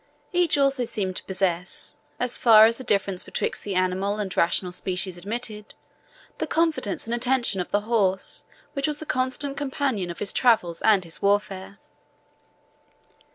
Each also seemed to possess, as far as the difference betwixt the animal and rational species admitted, the confidence and affection of the horse which was the constant companion of his travels and his warfare.